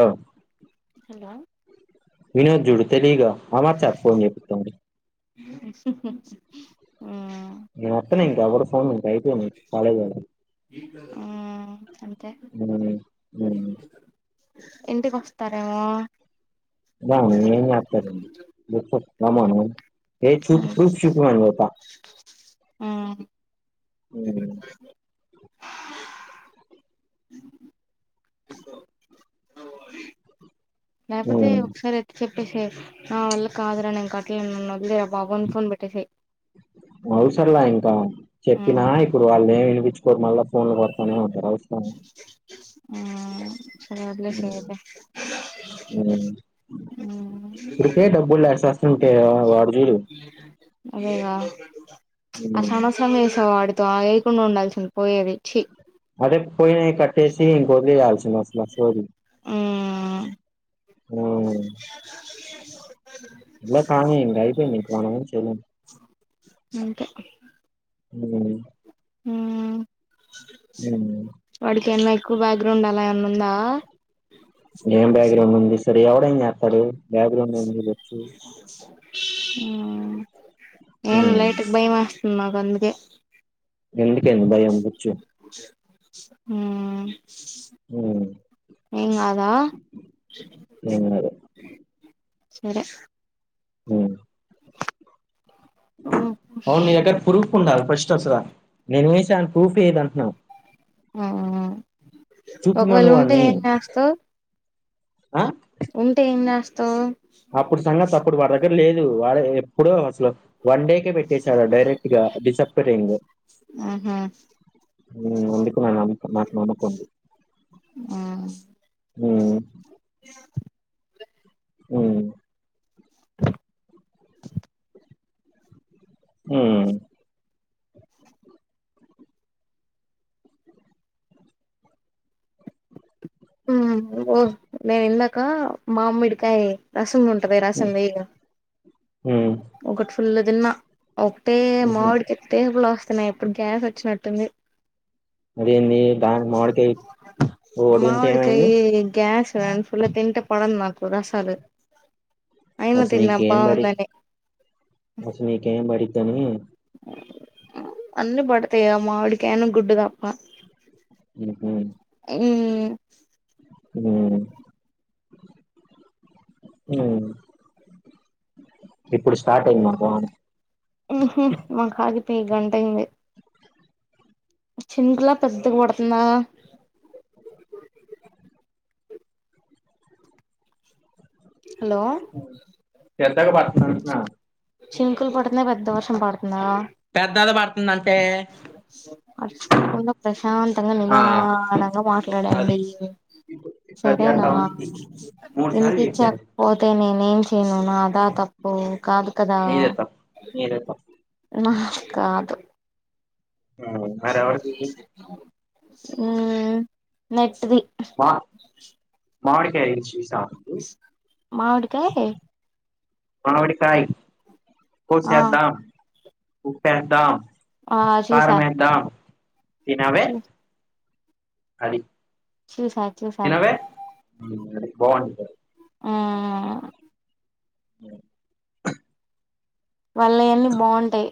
ఆ హలో వినోద్ జుడు తేలిగా ఆ వర్ సార్ ఫోన్ చెపిత్తా ఉండు [unintelligible] నేను వత్తనే ఇంకా కూడా ఫోన్ంకా అయిపోయిను కాలేజ మ్మ్ అంతే తరవా బావు [unintelligible] అతారండి రమ్మను ఏ చూప్ ప్రూఫ్ చూపిమను పోత మ్మ్ హ్మ్ లేకపోతే మ్మ్ ఒకసారి ఎట్ చెప్ విష్వేష్ నా వళ్ల కాదురా నేను కట్ ఓకే నన్ను వదిలేరా బాబాని ఫోన్ పెట్టేసి తా చెప్పినా ఇప్పుడు వాళ్ళే వినిపి [unintelligible] మళ్ళ ఫోన్ లు కొడతానే ఉంటరు స మ్మ్ సరే వదిలేసెయ్ అయితే మ్మ్ తుంటే ఆ వాడు చూడు [unintelligible] అదేగా మ్మ్ ఆసమసం వేసా వాడు తాయకుండ ఉండాల్సింది పోయేది ఛీ అదే పోయి కట్టేసి ఇంకొదియాల్సింది అసలు ఆ సోదీ మ్మ్ మ్మ్ ఇలా కానీ ఇంకా అయిపోయిందియి న చేయండి ఇంకే హ్మ్మ్ మ్మ్ ఉమ్, వాడిక [unintelligible] కు బక్గ్రౌండ్ అల [unintelligible] న్ను ఉందా ఏం బ్యాక్గ్రౌండ్ ఉంది సరే ఎవడైనా చేతాడు బ్యాక్గ్రౌండ్ ఏ హ్మ్ ఏం లైట్కి భయమా మాకందుకే ఎందుకే భయం బుచు హ్మ్ ఎం కాదా ఏం కాదు సరే హ్మ్ అవును నీదేగారా ప్రూఫ్ ఉందా ఫస్ట్ అసలా నేను ఏసా అని ప్రూఫ్ ఏది అంటునా ఆ ఒకవేళ ఉంటే వాడిని ఏం చేస్తావు ఆ ఉంటే ఏం చేస్తావ్ అపుడు సంగతి అపుడు వాడి దెగర లేదు వాడు ఎప్పుడో అస లో వన్ డే క పెట్టేశాడు డైరెక్ట్ గా డిసప్పరింగ్ ఆహా హ్మ్ అందు నాకు నమ్మకం ఉంది ఆ హ్మ్ హ్మ్ హ్మ్ హ్మ్ ఓ నేను ఇందాక మామిడికాయ రసము ఉంటంది రసం వేయ హ్మ్ ఫుల్ తిన్న ఓకే మామిడికి తెపులు వస్తున్నాయి ఎప్పుడు గ్యాస్ వచ్చినట్టు [unintelligible] ఏంది దాని మామీడికాయ ఒకటి తింటే ఏమైంది మామిడికాయ గ్యాస్ ఫుల్ తింటే పడదు నాకు రాసాలు అస్సలు నీకెంబడి అస్సలు నీకెంబడి దని అన్నీ పడతాయి మామిడికాయ గుడ్డు తప్ప హ్మ్ హ్మ్ హ్మ్ హ్మ్ ఇప్పుడు స్టార్ట్ అయి మాకు వాన హ్మ్ హు మాకి ఆగి పెయ్ గంట అయింది చినుకులా పెద్దగా పడుతుందా హలో ఎద్దక బ చినుకులు పడుతున్నా పెద్ద వర్షం ఇనపడుతుందా పెద్దద ప అర్చుకోకుండా ప్రశాంతంగా ఆ, నిదానంగా అది మాట్లాడండి ఇప్పుడు ఇప్పుడు అది సరేనా అట్లా ఉంది మూడు సార్లు చెప్పాను వినిపించకపోతే నేను హ్మ్ నేను నాదా తప్పు కాదు కదా నీదే తప్పు నీదే తప్పు నా కాదు హ్మ్ మరి ఎవరిది హ్మ్ నెట్ ది మా మావిడికాయ్ చూసా మావిడికాయ్ మావిడికాయ్ ఆ కోసేద్దాం ఉప్పేద్దాం ఆ చూసా కారమేద్దాం తినవే చూ అది చూసా చూసా బాంట హ్మ్ అ ఆహ్ వాళ్ళయన్నీ బాంటాయ్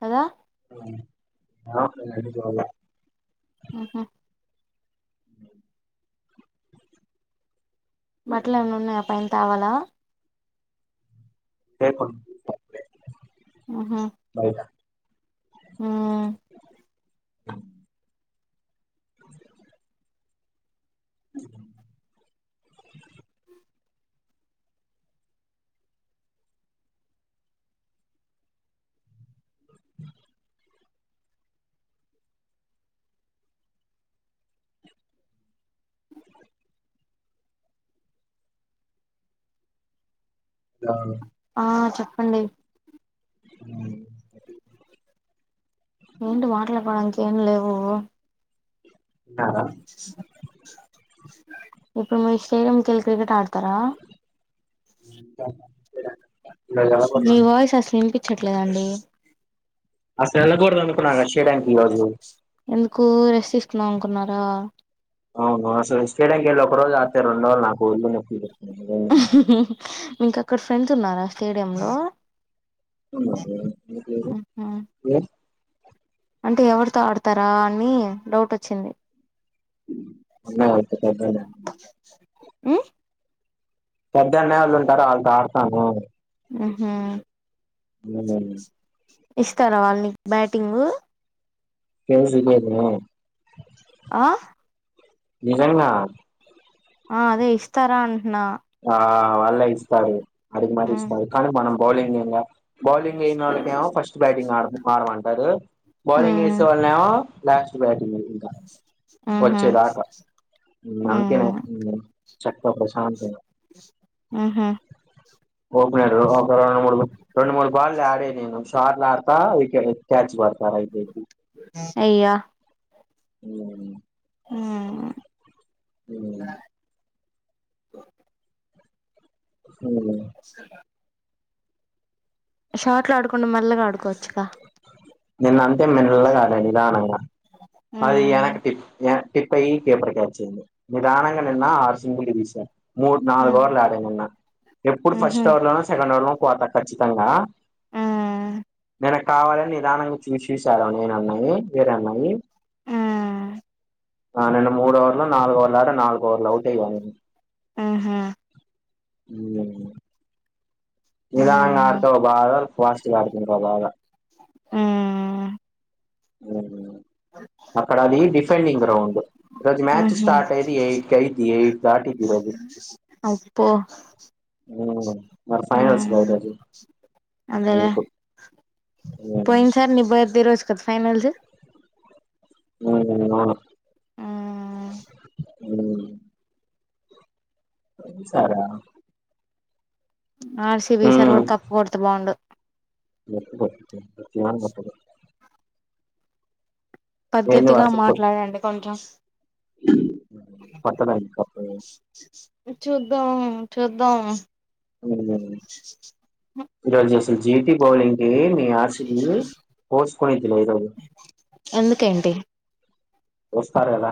కదా [unintelligible] అన్నీ చూల్లా హ్మ్ హు హ్మ్ బట్లు ఏమన్నా ఉన్నాయా ఆ పైన తావాలా ఉంటే కొంచెం తక్కువే బయట హ్మ్ ఆ ఆ, ఆ చెప్పండి హ్మ్ ఏంటి మాట్లాడపోవడానికి ఏం లేవు తిన్నార ఇప్పుడు మీరు స్టేడియం కెళ్ళి క్రికెట్ ఆడు తర [inaudible] వెళ్ళకూడదు మీ అను వాయిస్ అసలు వినిపించట్లేదండి అసలు ఎళ్ళకూడదు అనుకున్నా రష్యా బ్యాంకు ఈ రోజు చ్చిన అనుకున్నారా అవును అసలు స్టెడం ఎళ్ళి ఒక్క రోజు ఆడితే, రెండు రోజులు నాకు వొల్లు నొప్పులు. పుడుతున్నాయి. నీకు అక్కడ ఫ్రెండ్స్ ఉన్నారా స్టేడియం లో ఉన్నారు ఎందుకు లేరు, ఏ అంటే ఎవరితో ఆడతారా అని డౌట్ వచ్చింది అన్నయ్య అయితే పెద్ద అన్నయ్య మ్మ్ పెద్ద అన్నయ వాళ్ళు ఉంటారు వాళ్ళతో ఆడతాను హ్మ్ హూ [unintelligible] ఇస్తారా వాళ్ళు నీకు బ్యాటింగ్ [unintelligible] లేదు ఆ నిజంగా ఆ అదే ఇస్తారా అంటున్నా ఆ వాళ్ళే ఇస్తారు, అడిగి మరి ఉమ్ ఇస్తారు కానీ మనం బౌలింగ్ నేన్ కాదు బౌలింగ్ ఎయ్యనోళ్ళకేమో ఫస్ట్ బ్యాటింగ్ ఆడ్ ఆడ మారమంటారు, బౌలింగ్ ఏసే వాళ్నేమో లాస్ట్ బ్యా ఇంకా ఉహు వచ్చేదాకా అంతే ఉమ్ చక్కగా ప్రశాంతంగా మ్మ్ హ్మ్ ఓపనర్ ఒక రెండు మూడు, రెండు మూడు బాల్లే ఆడే షాట్లా ఆడుతా వికేట్ క్యాచ్ పడతారు అయిపోయిద్ది అయ్యా మ్మ్ ఉమ్ అ అస్సల షార్ట్ లో ఆడుకుండా మ నల్లగాడుకో వచ్చుిక నిన్న చె మల్లెగ నీథానంగ అది ఉమ్ ఎనక్కటిప్ ఎనక్ టిప్పై కేేపర్కిచ్ అయింది నిదానంగా నిన్న ఆరుసింపుల్‌గ తీసారు మూడు నాలుగు ఉమ్ ఓవర్లు ఆడాను నిన్న ఎప్పుడు ఆహా ఫస్ట్ ఓవర్ లోనో సెకండ్ ఓవర్ లో నో కోత ఖచ్చితంగా ఆ నన కావాలని నిదానంగా చూసేసారు నేనున్నాయి వేరేన్నాయి ఆ నున్న మూడు వర్ లో నాలుగు ఓర్లాట నాలుగు ఓవల అవుట్యయిను ఆహా అ ఆ నిదాంగా ఆర్తోవ బాగా ఫస్ట్గా ఆర్తు బాగా ఆ ఉ అక్కడ అది డిఫెండింగ్ గ్రౌండ్ ఈ రోజు మ్యాచ్ ఆహా స్టార్ట్ అయిది ఎయిట్ క అయిది ఎయిట్ దాటిది రోజు అబ్బో మరి ఆ ఫైనల్స్గా రోజు అదేలే అందుకు పోయినసారి నీ బర్త్డే రోజు కదా ఫైనల్స్ ఉ ఆ ఉ సరే ఆర్సి బీసర్ కూడా కప్పు కొడుతే బాగుండు ఎంది పద్ధతిగా వాడ్ సాఫ్ కోట్ మాట్లాడండి కొంచెం కొత్తబ్యాంక్ కోటు చూద్దాం చూద్దాం రోజూ జెటి బౌలింగ్ ఏ మీ ఆశది పోసుకుని తినే లేదు ఎందుకేంటి వస్తార్ ఎల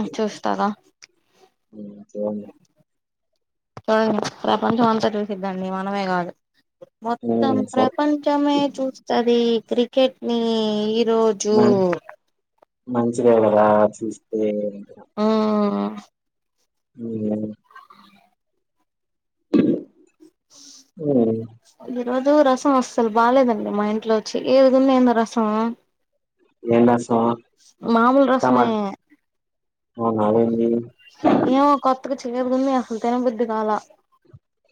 ఆ చూస్తాారా హుచూడ్ ను చూడండి ప్రపంచం అంతా చూసిద్దండి మనమే కాదు మొత్తం ఉమ్, సరే ప్రపంచమే చూస్తది క్రికెట్ ని ఇ రోజు మం- మంచిదే కదా చూస్తే ఆఓ ఉ ఉమ్, ఈ రోజు రసం అస్తలు బాలేదండి మా ఇంట్లో చి ఎదుకున్న ఎంత రసము ఏనా మామూలు రసమే అవును అదేంది ఏ కొత్త చేదుగుంది అసలు తినబుద్ది కాల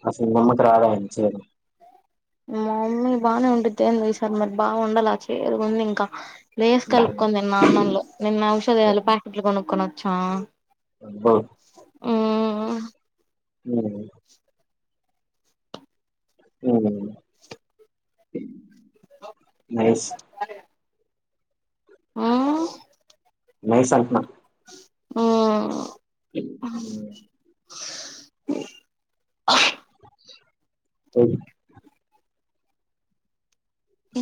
అసలు మీ అమ్మ కి రాధ అండ్ చేయడం మా మమ్మీ బాగానే వండిద్ది ఈసారి మరి బాగ వందల ఆ చేదుగ ఉంది ఇంక లేస్ కలుపుకోంది నా అన్నంలో నిన్న ఔషధలు ప్యాకెట్లు కొనుక్క్కకున్న చ హలో మ్మ్ [unintelligible] నైస్ మ్మ్ నైస్ అంట్నా మ్మ్ ఉమ్, [unintelligible] అమ్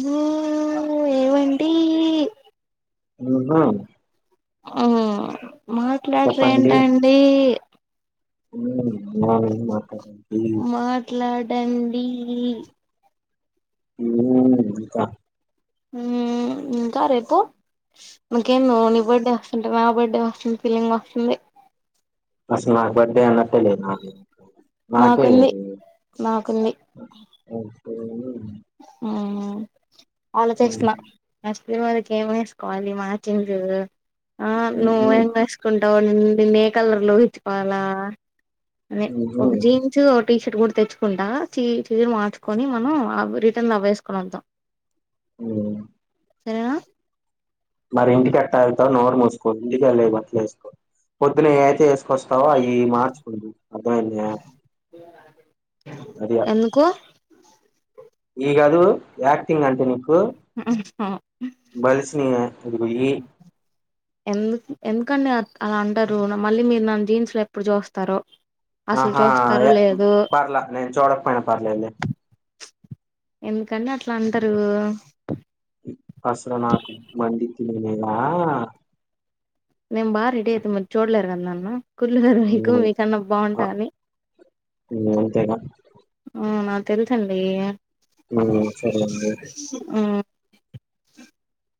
మ్మ్ ఏవండి [unintelligible] మ్మ్ మాట్లాడరు ఏంటండి ఉ వారు ఏమి మాట్లా డండి ఇ ఏం ఇంక మ్మ్ ఇంకా రేపు ఇంకేం మో నీ బడే వస్తూంటే నా బడే వర్షం ఫిలింగ్ వస్తుంది అస్సలు నా బడే అన్నట్లే లేదు నాకై మాకుంది మాకుంది మ్మ్ మ్మ్ ఉమ్, ఆలోచిస్తన్న తిరుమాలకి ఏం వేసుకోవాలి మ్యాచింగ్ ఆ ఉహు నువ్వేం వేసుకుంట డిన్ని ఏ కలర్ లో ఇచ్చుకోవాలా ని ఉహు ఒక జీన్సు ఓ టీ షర్ట్ కూడా తెచ్చుకుంటా చీ చీరా మార్చుకొని మనం రిటర్న్ అవేసుకొనొద్దం మ్మ్ సరేనా మరి ఇంటిక ఎట్ట వెళ్తావ్ నోరు మూసుకో ఇంటికివేల్లే బట్టలు వేసుకో పొద్దున్న ఏ అయితే వేసుకొస్తావ్ తావాయి మార్చుకుందు అర్థమైందా ఎందుకు ఈగ అదు యాక్టింగ్ అంటుంది కు బల్సిన ఇదిగుళి [inaudible] అందుకని అలా అంటారు మళ్ళీ మీరు నన్ను జీన్స్లు ఎప్పుడు చూస్తారో అసలు ఆహా చూస్తారో లేదు పర్లే నేను చూడకపోయినా పర్లేదు లే ఎందుకండి అట్లా అంటారు అసలా నాకు మండింది నిన్నా నే బా రెడి అయితే మరి చూడ్లేరుకద్ నన్ను కుల్ కదా మీకు ఉమ్, మీకన్నా ఆ, బాగుంటా అని ఉమ్, అంతేగా మ్మ్ మ తెలుసండీ ఆ సరే అండి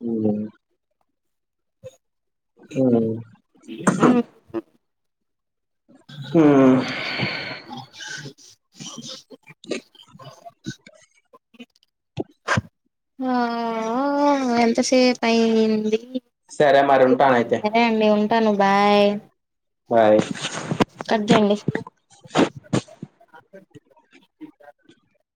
మ్మ్ [unintelligible] ఆ మ్మ్ ఆ ఎంత సేపయింది సరే మరి ఉంటానయితే టను బాయ్ బాయ్ కట్ జేయండి [unintelligible]